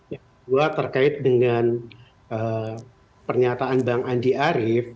yang kedua terkait dengan pernyataan bang andi arief